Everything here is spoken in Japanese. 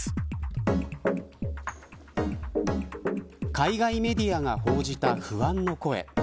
海外メディアが報じた不安の声。